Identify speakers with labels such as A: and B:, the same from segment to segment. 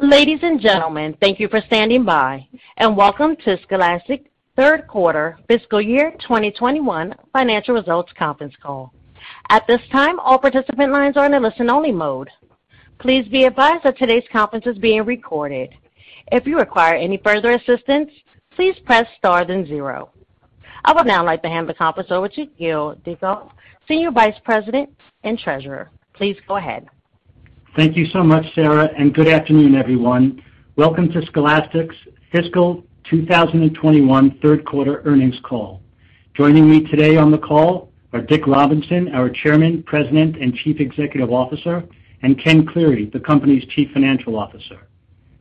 A: Ladies and gentlemen, thank you for standing by and welcome to Scholastic third quarter fiscal year 2021 financial results conference call. At this time, all participant lines are in a listen-only mode. Please be advised that today's conference is being recorded. If you require any further assistance, please press star then zero. I would now like to hand the conference over to Gil Dickoff, Senior Vice President and Treasurer. Please go ahead.
B: Thank you so much, Sarah. Good afternoon, everyone. Welcome to Scholastic's fiscal 2021 third quarter earnings call. Joining me today on the call are Dick Robinson, our Chairman, President, and Chief Executive Officer, and Ken Cleary, the company's Chief Financial Officer.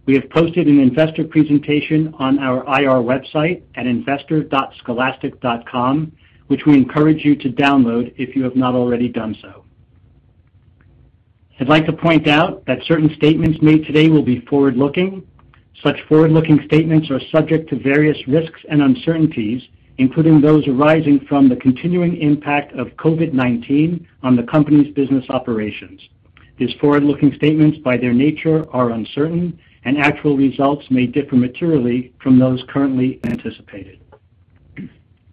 B: We have posted an investor presentation on our IR website at investor.scholastic.com, which we encourage you to download if you have not already done so. I'd like to point out that certain statements made today will be forward-looking. Such forward-looking statements are subject to various risks and uncertainties, including those arising from the continuing impact of COVID-19 on the company's business operations. These forward-looking statements, by their nature, are uncertain and actual results may differ materially from those currently anticipated.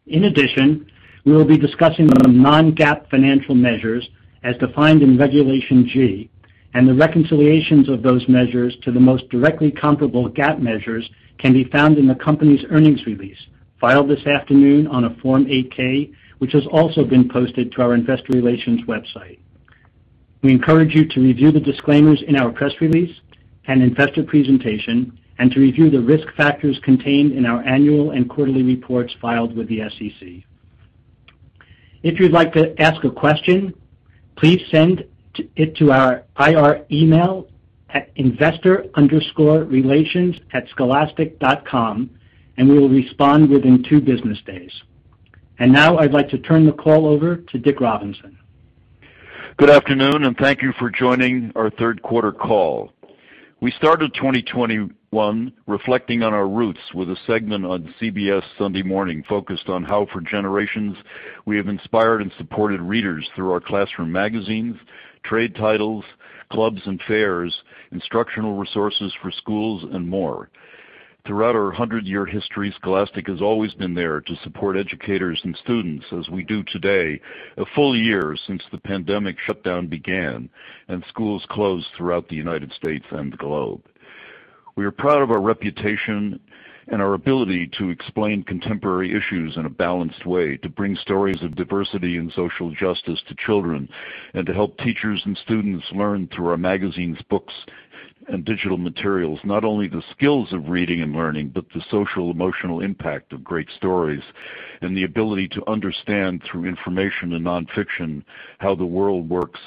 B: In addition, we will be discussing non-GAAP financial measures as defined in Regulation G, and the reconciliations of those measures to the most directly comparable GAAP measures can be found in the company's earnings release filed this afternoon on a Form 8-K, which has also been posted to our investor relations website. We encourage you to review the disclaimers in our press release and investor presentation, and to review the risk factors contained in our annual and quarterly reports filed with the SEC. If you'd like to ask a question, please send it to our IR email at investor_relations@scholastic.com and we will respond within two business days. Now I'd like to turn the call over to Dick Robinson.
C: Good afternoon, thank you for joining our third quarter call. We started 2021 reflecting on our roots with a segment on CBS Sunday Morning focused on how for generations we have inspired and supported readers through our classroom magazines, trade titles, clubs and fairs, instructional resources for schools, and more. Throughout our 100-year history, Scholastic has always been there to support educators and students as we do today, a full year since the pandemic shutdown began and schools closed throughout the U.S. and the globe. We are proud of our reputation and our ability to explain contemporary issues in a balanced way, to bring stories of diversity and social justice to children, and to help teachers and students learn through our magazines, books, and digital materials, not only the skills of reading and learning, but the social emotional impact of great stories and the ability to understand through information and nonfiction how the world works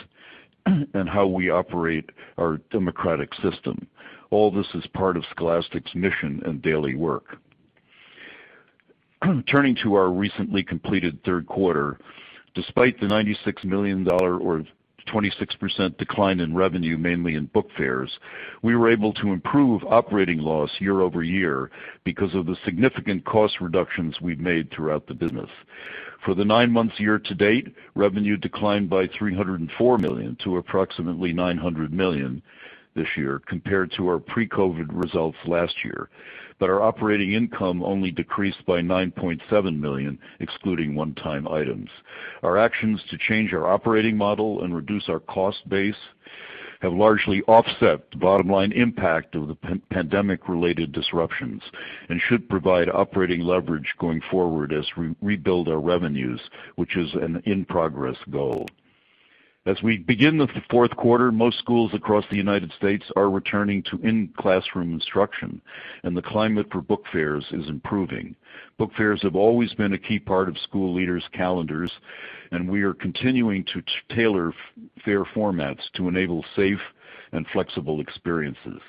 C: and how we operate our democratic system. All this is part of Scholastic's mission and daily work. Turning to our recently completed third quarter, despite the $96 million or 26% decline in revenue, mainly in book fairs, we were able to improve operating loss year-over-year because of the significant cost reductions we've made throughout the business. For the nine months year to date, revenue declined by $304 million to approximately $900 million this year compared to our pre-COVID results last year. Our operating income only decreased by $9.7 million, excluding one-time items. Our actions to change our operating model and reduce our cost base have largely offset the bottom-line impact of the pandemic-related disruptions and should provide operating leverage going forward as we rebuild our revenues, which is an in-progress goal. As we begin the fourth quarter, most schools across the U.S. are returning to in-classroom instruction, and the climate for book fairs is improving. Book fairs have always been a key part of school leaders' calendars, and we are continuing to tailor fair formats to enable safe and flexible experiences.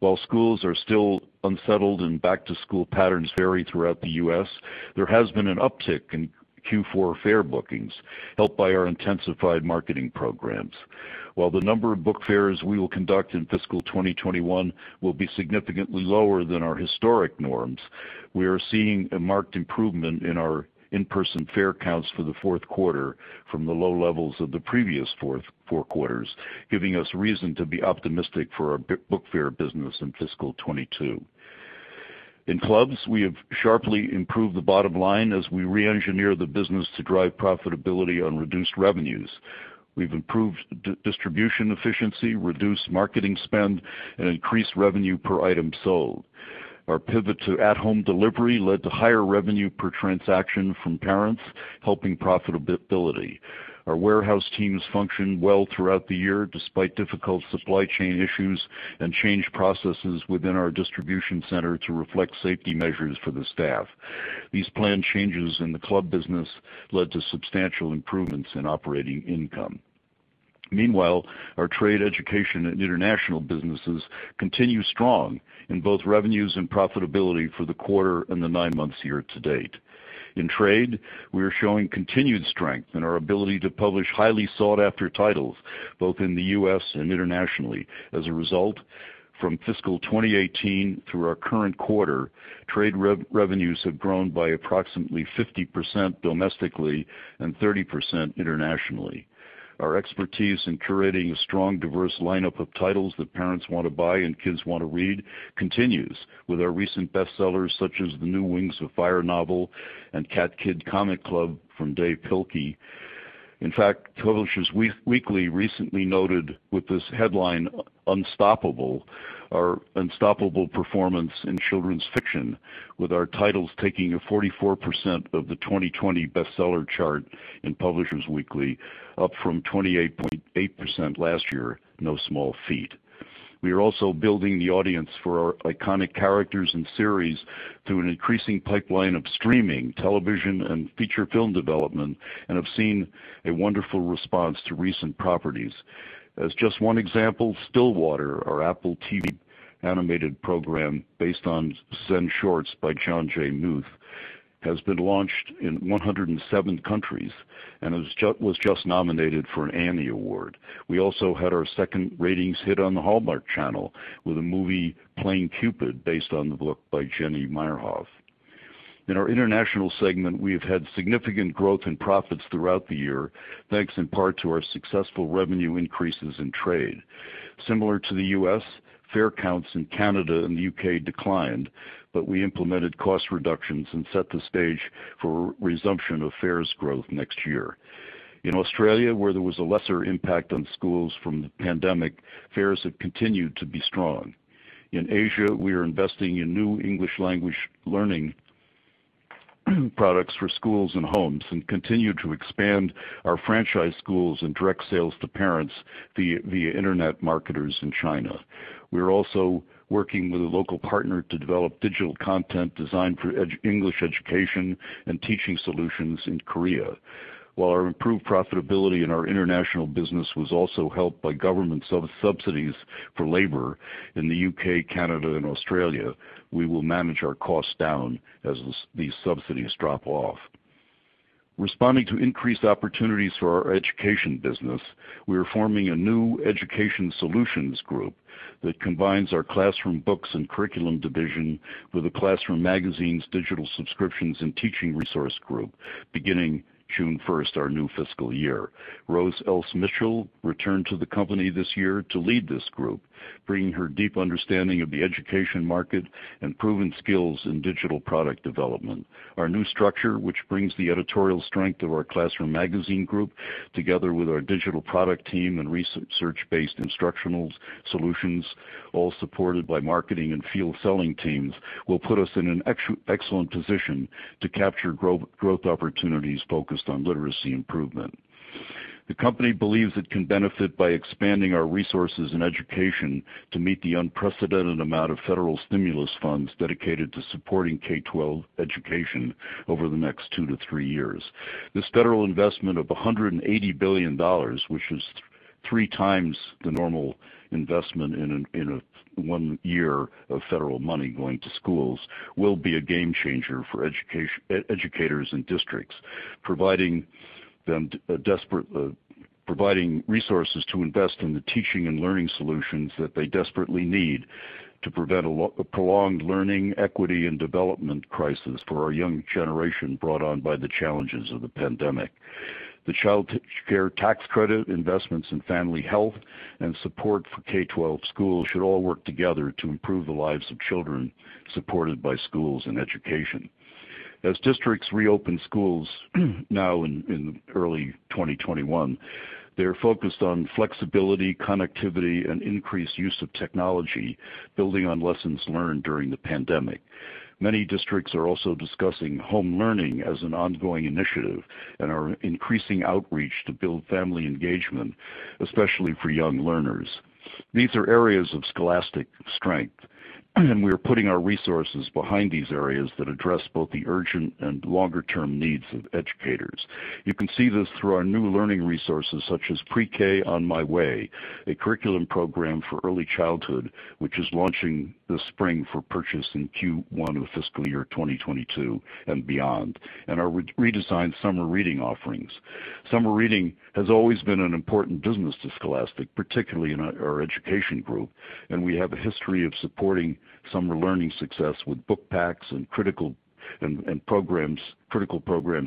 C: While schools are still unsettled and back to school patterns vary throughout the U.S., there has been an uptick in Q4 fair bookings helped by our intensified marketing programs. While the number of book fairs we will conduct in fiscal 2021 will be significantly lower than our historic norms, we are seeing a marked improvement in our in-person fair counts for the fourth quarter from the low levels of the previous four quarters, giving us reason to be optimistic for our book fair business in fiscal 2022. In clubs, we have sharply improved the bottom line as we re-engineer the business to drive profitability on reduced revenues. We've improved distribution efficiency, reduced marketing spend, and increased revenue per item sold. Our pivot to at-home delivery led to higher revenue per transaction from parents, helping profitability. Our warehouse teams functioned well throughout the year despite difficult supply chain issues and changed processes within our distribution center to reflect safety measures for the staff. These planned changes in the club business led to substantial improvements in operating income. Meanwhile, our Trade, Education and International businesses continue strong in both revenues and profitability for the quarter and the nine months year to date. In Trade, we are showing continued strength in our ability to publish highly sought-after titles both in the U.S. and internationally. As a result, from fiscal 2018 through our current quarter, Trade revenues have grown by approximately 50% domestically and 30% internationally. Our expertise in curating a strong, diverse lineup of titles that parents want to buy and kids want to read continues with our recent bestsellers such as the new "Wings of Fire" novel and "Cat Kid Comic Club" from Dav Pilkey. In fact, Publishers Weekly recently noted with this headline, "Unstoppable," our unstoppable performance in children's fiction with our titles taking a 44% of the 2020 bestseller chart in Publishers Weekly, up from 28.8% last year. No small feat. We are also building the audience for our iconic characters and series through an increasing pipeline of streaming television and feature film development, and have seen a wonderful response to recent properties. As just one example, "Stillwater," our Apple TV+ animated program based on Zen Shorts by Jon J. Muth, has been launched in 107 countries and was just nominated for an Emmy Award. We also had our second ratings hit on the Hallmark Channel with a movie, "Playing Cupid," based on the book by Jenny Meyerhoff. In our International segment, we have had significant growth in profits throughout the year, thanks in part to our successful revenue increases in trade. Similar to the U.S., fair counts in Canada and the U.K. declined, but we implemented cost reductions and set the stage for resumption of fairs growth next year. In Australia, where there was a lesser impact on schools from the pandemic, fairs have continued to be strong. In Asia, we are investing in new English language learning products for schools and homes and continue to expand our franchise schools and direct sales to parents via internet marketers in China. We are also working with a local partner to develop digital content designed for English education and teaching solutions in Korea. While our improved profitability in our International business was also helped by government subsidies for labor in the U.K., Canada, and Australia, we will manage our costs down as these subsidies drop off. Responding to increased opportunities for our Education business, we are forming a new Education Solutions group that combines our classroom books and curriculum division with the classroom magazines, digital subscriptions, and teaching resource group beginning June 1, our new fiscal year. Rose Else-Mitchell returned to the company this year to lead this group, bringing her deep understanding of the education market and proven skills in digital product development. Our new structure, which brings the editorial strength of our classroom magazine group together with our digital product team and research-based instructional solutions, all supported by marketing and field selling teams, will put us in an excellent position to capture growth opportunities focused on literacy improvement. The company believes it can benefit by expanding our resources in Education to meet the unprecedented amount of federal stimulus funds dedicated to supporting K-12 Education over the next two to three years. This federal investment of $180 billion, which is three times the normal investment in one year of federal money going to schools, will be a game changer for educators and districts, providing resources to invest in the teaching and learning solutions that they desperately need to prevent a prolonged learning equity and development crisis for our young generation brought on by the challenges of the pandemic. The Child Tax Credit, investments in family health, and support for K-12 schools should all work together to improve the lives of children supported by schools and education. As districts reopen schools now in early 2021, they're focused on flexibility, connectivity, and increased use of technology, building on lessons learned during the pandemic. Many districts are also discussing home learning as an ongoing initiative and are increasing outreach to build family engagement, especially for young learners. These are areas of Scholastic strength, and we are putting our resources behind these areas that address both the urgent and longer-term needs of educators. You can see this through our new learning resources such as Pre-K On My Way, a curriculum program for early childhood, which is launching this spring for purchase in Q1 of fiscal year 2022 and beyond, and our redesigned summer reading offerings. Summer reading has always been an important business to Scholastic, particularly in our education group, and we have a history of supporting summer learning success with book packs and critical programs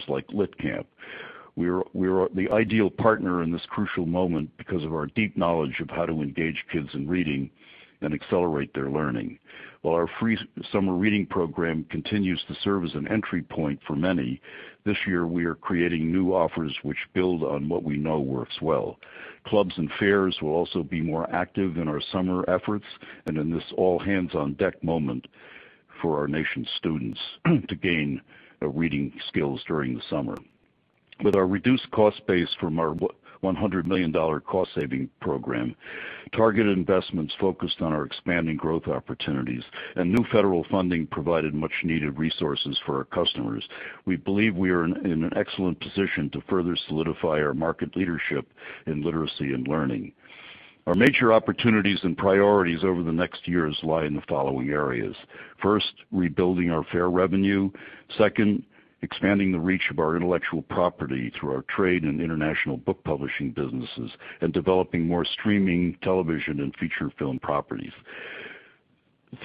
C: like LitCamp. We are the ideal partner in this crucial moment because of our deep knowledge of how to engage kids in reading and accelerate their learning. While our free summer reading program continues to serve as an entry point for many, this year we are creating new offers which build on what we know works well. Clubs and fairs will also be more active in our summer efforts and in this all-hands-on-deck moment for our nation's students to gain reading skills during the summer. With our reduced cost base from our $100 million cost-saving program, targeted investments focused on our expanding growth opportunities, and new federal funding provided much needed resources for our customers, we believe we are in an excellent position to further solidify our market leadership in literacy and learning. Our major opportunities and priorities over the next years lie in the following areas. First, rebuilding our fair revenue. Second, expanding the reach of our intellectual property through our trade and international book publishing businesses and developing more streaming television and feature film properties.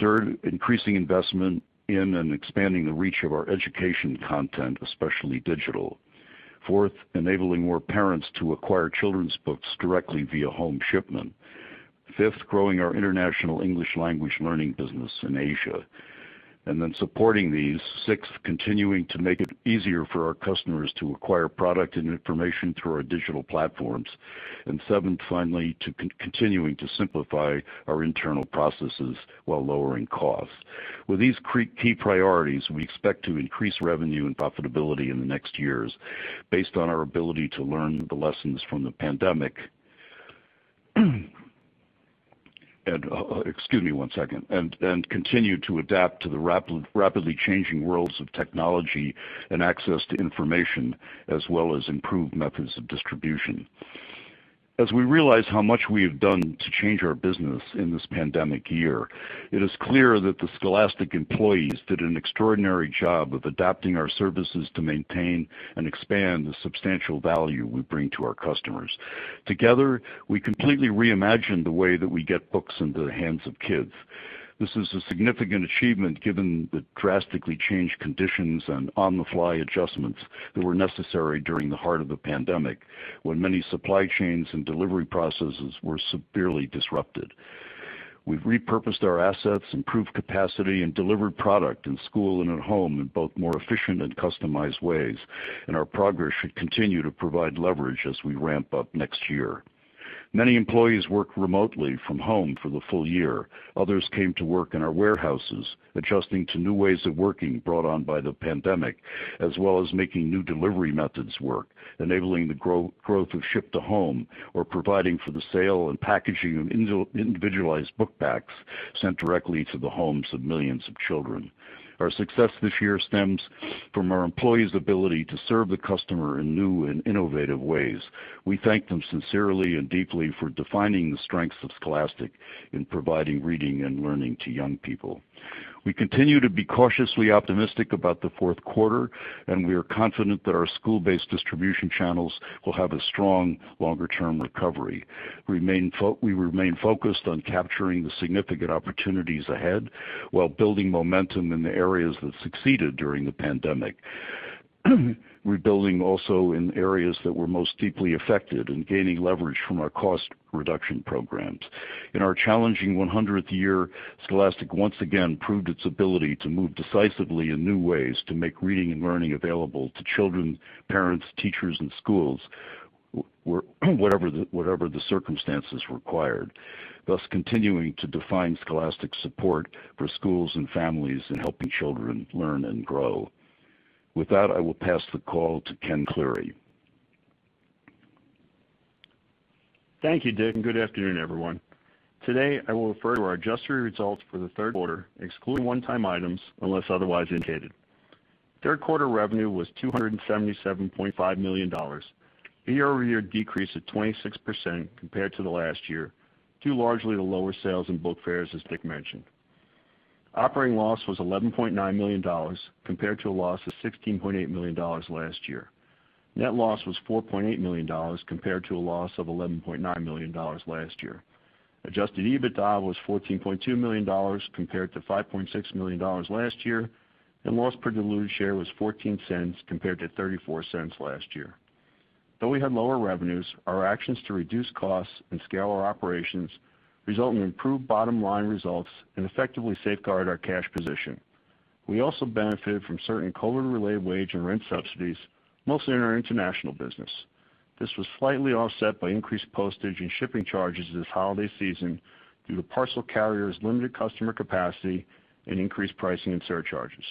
C: Third, increasing investment in and expanding the reach of our Education content, especially digital. Fourth, enabling more parents to acquire children's books directly via home shipment. Fifth, growing our International English language learning business in Asia. Supporting these, sixth, continuing to make it easier for our customers to acquire product and information through our digital platforms. Seventh, finally, continuing to simplify our internal processes while lowering costs. With these key priorities, we expect to increase revenue and profitability in the next years based on our ability to learn the lessons from the pandemic. Excuse me one second. Continue to adapt to the rapidly changing worlds of technology and access to information, as well as improved methods of distribution. As we realize how much we have done to change our business in this pandemic year, it is clear that the Scholastic employees did an extraordinary job of adapting our services to maintain and expand the substantial value we bring to our customers. Together, we completely reimagined the way that we get books into the hands of kids. This is a significant achievement given the drastically changed conditions and on-the-fly adjustments that were necessary during the heart of the pandemic, when many supply chains and delivery processes were severely disrupted. We've repurposed our assets, improved capacity, and delivered product in school and at home in both more efficient and customized ways, and our progress should continue to provide leverage as we ramp up next year. Many employees worked remotely from home for the full year. Others came to work in our warehouses, adjusting to new ways of working brought on by the pandemic, as well as making new delivery methods work, enabling the growth of ship to home, or providing for the sale and packaging of individualized book packs sent directly to the homes of millions of children. Our success this year stems from our employees' ability to serve the customer in new and innovative ways. We thank them sincerely and deeply for defining the strengths of Scholastic in providing reading and learning to young people. We continue to be cautiously optimistic about the fourth quarter, and we are confident that our school-based distribution channels will have a strong longer-term recovery. We remain focused on capturing the significant opportunities ahead while building momentum in the areas that succeeded during the pandemic. Rebuilding also in areas that were most deeply affected and gaining leverage from our cost reduction programs. In our challenging 100th year, Scholastic once again proved its ability to move decisively in new ways to make reading and learning available to children, parents, teachers, and schools, whatever the circumstances required. Thus, continuing to define Scholastic's support for schools and families in helping children learn and grow. With that, I will pass the call to Ken Cleary.
D: Thank you, Dick, and good afternoon, everyone. Today, I will refer to our adjusted results for the third quarter, excluding one-time items, unless otherwise indicated. Third quarter revenue was $277.5 million, a year-over-year decrease of 26% compared to the last year, due largely to lower sales and book fairs, as Dick mentioned. Operating loss was $11.9 million, compared to a loss of $16.8 million last year. Net loss was $4.8 million compared to a loss of $11.9 million last year. Adjusted EBITDA was $14.2 million compared to $5.6 million last year, and loss per diluted share was $0.14 compared to $0.34 last year. Though we had lower revenues, our actions to reduce costs and scale our operations result in improved bottom-line results and effectively safeguard our cash position. We also benefited from certain COVID-related wage and rent subsidies, mostly in our International business. This was slightly offset by increased postage and shipping charges this holiday season due to parcel carriers' limited customer capacity and increased pricing and surcharges.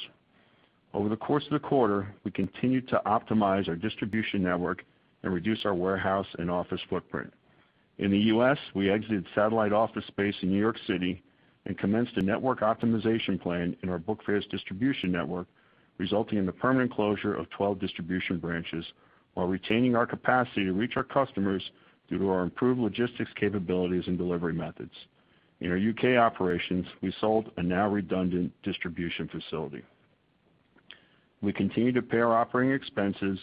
D: Over the course of the quarter, we continued to optimize our distribution network and reduce our warehouse and office footprint. In the U.S., we exited satellite office space in New York City and commenced a network optimization plan in our book fairs distribution network, resulting in the permanent closure of 12 distribution branches while retaining our capacity to reach our customers due to our improved logistics capabilities and delivery methods. In our U.K. operations, we sold a now redundant distribution facility. We continued to pare operating expenses,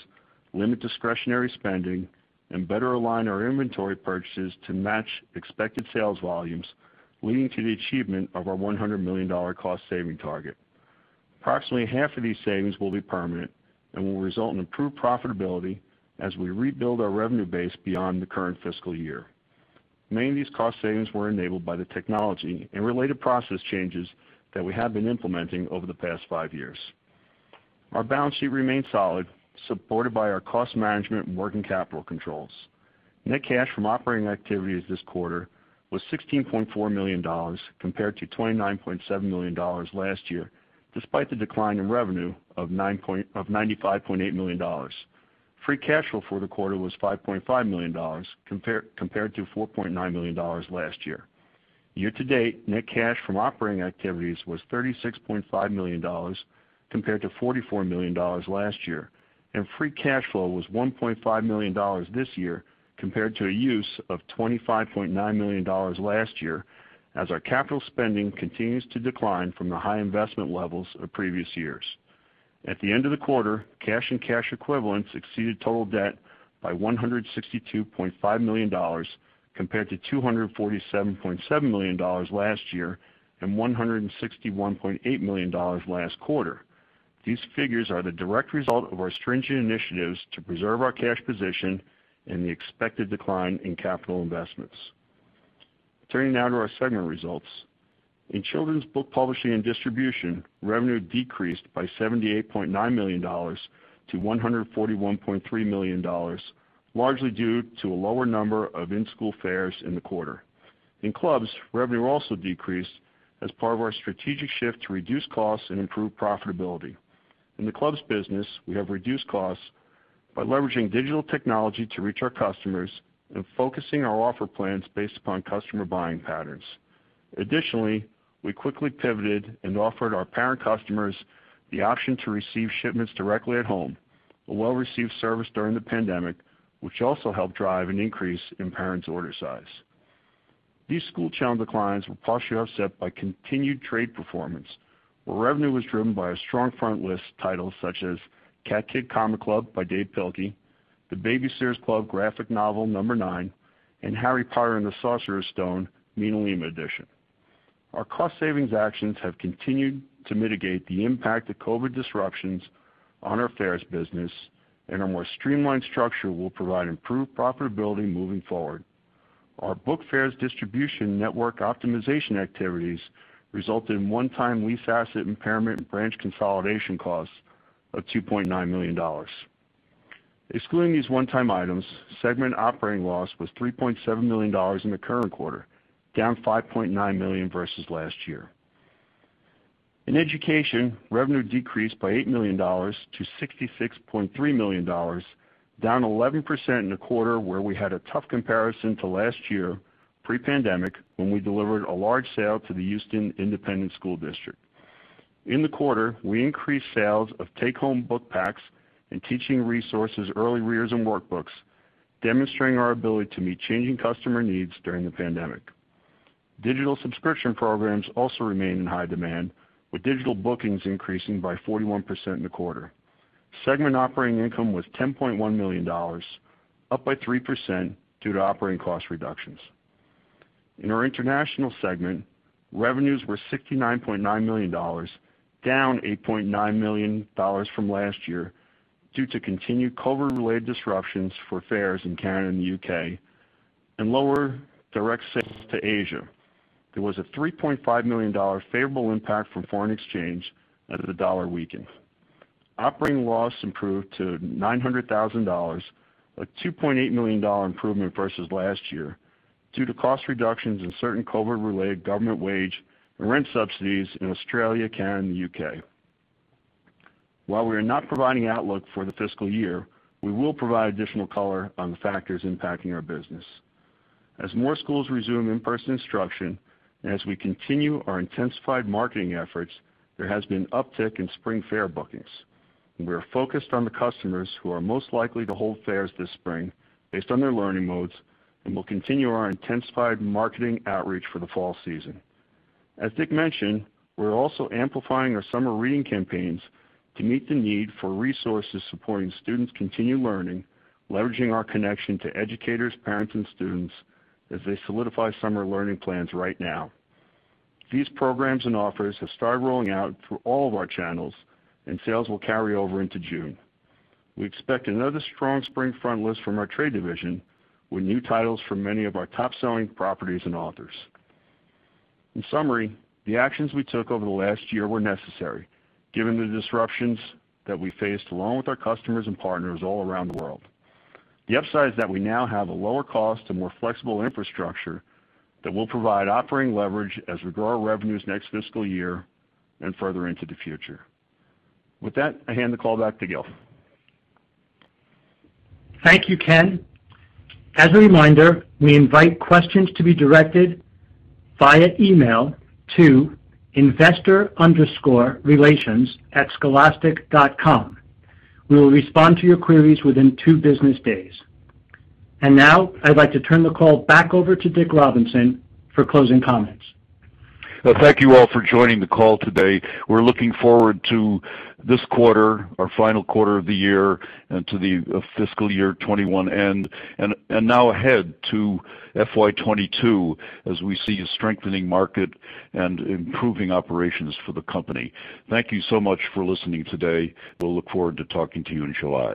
D: limit discretionary spending, and better align our inventory purchases to match expected sales volumes, leading to the achievement of our $100 million cost saving target. Approximately half of these savings will be permanent and will result in improved profitability as we rebuild our revenue base beyond the current fiscal year. Many of these cost savings were enabled by the technology and related process changes that we have been implementing over the past five years. Our balance sheet remained solid, supported by our cost management and working capital controls. Net cash from operating activities this quarter was $16.4 million, compared to $29.7 million last year, despite the decline in revenue of $95.8 million. Free cash flow for the quarter was $5.5 million, compared to $4.9 million last year. Year to date, net cash from operating activities was $36.5 million, compared to $44 million last year, and free cash flow was $1.5 million this year compared to a use of $25.9 million last year, as our capital spending continues to decline from the high investment levels of previous years. At the end of the quarter, cash and cash equivalents exceeded total debt by $162.5 million, compared to $247.7 million last year and $161.8 million last quarter. These figures are the direct result of our stringent initiatives to preserve our cash position and the expected decline in capital investments. Turning now to our segment results. In Children's Book Publishing and Distribution, revenue decreased by $78.9 million to $141.3 million, largely due to a lower number of in-school fairs in the quarter. In Clubs, revenue also decreased as part of our strategic shift to reduce costs and improve profitability. In the Clubs business, we have reduced costs by leveraging digital technology to reach our customers and focusing our offer plans based upon customer buying patterns. Additionally, we quickly pivoted and offered our parent customers the option to receive shipments directly at home, a well-received service during the pandemic, which also helped drive an increase in parents' order size. These school channel declines were partially offset by continued trade performance, where revenue was driven by strong front list titles such as "Cat Kid Comic Club" by Dav Pilkey, "The Baby-Sitters Club graphic novel number 9," and "Harry Potter and the Sorcerer's Stone: MinaLima Edition." Our cost savings actions have continued to mitigate the impact of COVID disruptions on our fairs business, and our more streamlined structure will provide improved profitability moving forward. Our Book Fairs distribution network optimization activities resulted in one-time lease asset impairment branch consolidation costs of $2.9 million. Excluding these one-time items, segment operating loss was $3.7 million in the current quarter, down $5.9 million versus last year. In Education, revenue decreased by $8 million to $66.3 million, down 11% in a quarter where we had a tough comparison to last year, pre-pandemic, when we delivered a large sale to the Houston Independent School District. In the quarter, we increased sales of take-home book packs and teaching resources early readers and workbooks, demonstrating our ability to meet changing customer needs during the pandemic. Digital subscription programs also remain in high demand, with digital bookings increasing by 41% in the quarter. Segment operating income was $10.1 million, up by 3% due to operating cost reductions. In our International segment, revenues were $69.9 million, down $8.9 million from last year due to continued COVID-related disruptions for fairs in Canada and the U.K. and lower direct sales to Asia. There was a $3.5 million favorable impact from foreign exchange as the dollar weakened. Operating loss improved to $900,000, a $2.8 million improvement versus last year due to cost reductions and certain COVID-related government wage and rent subsidies in Australia, Canada, and the U.K. While we are not providing outlook for the fiscal year, we will provide additional color on the factors impacting our business. As more schools resume in-person instruction, and as we continue our intensified marketing efforts, there has been an uptick in spring fair bookings. We are focused on the customers who are most likely to hold fairs this spring based on their learning modes and will continue our intensified marketing outreach for the fall season. As Dick mentioned, we're also amplifying our summer reading campaigns to meet the need for resources supporting students' continued learning, leveraging our connection to educators, parents, and students as they solidify summer learning plans right now. These programs and offers have started rolling out through all of our channels, and sales will carry over into June. We expect another strong spring front list from our trade division, with new titles from many of our top-selling properties and authors. In summary, the actions we took over the last year were necessary given the disruptions that we faced, along with our customers and partners all around the world. The upside is that we now have a lower cost and more flexible infrastructure that will provide operating leverage as we grow our revenues next fiscal year and further into the future. With that, I hand the call back to Gil.
B: Thank you, Ken. As a reminder, we invite questions to be directed via email to investor_relations@scholastic.com. We will respond to your queries within two business days. now, I'd like to turn the call back over to Dick Robinson for closing comments.
C: Thank you all for joining the call today. We're looking forward to this quarter, our final quarter of the year, and to the fiscal year 2021 end. Now ahead to FY 2022, as we see a strengthening market and improving operations for the company. Thank you so much for listening today. We'll look forward to talking to you in July.